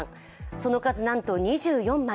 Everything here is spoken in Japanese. その数なんと２４枚。